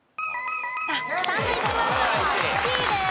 サンドウィッチマンさんは１位です。